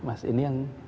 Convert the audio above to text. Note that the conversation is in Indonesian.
mas ini yang